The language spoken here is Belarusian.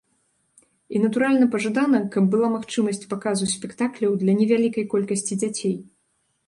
І, натуральна, пажадана, каб была магчымасць паказу спектакляў для невялікай колькасці дзяцей.